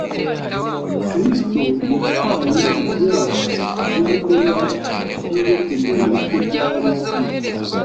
Kristo yatwaye ibyaha n’ubumuga by’inyokomuntu uko byari biri